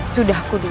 sudah aku duka